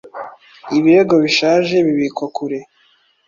ibirego bishaje bibikwa kure